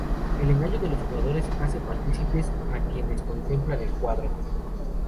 El engaño de los jugadores hace partícipes a quienes contemplan el cuadro.